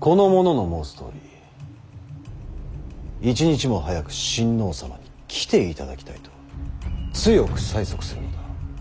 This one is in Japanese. この者の申すとおり一日も早く親王様に来ていただきたいと強く催促するのだ。